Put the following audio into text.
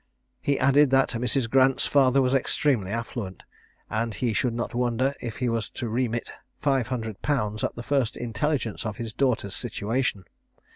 He added, that Mrs. Grant's father was extremely affluent, and he should not wonder if he was to remit 500_l._ at the first intelligence of his daughter's situation.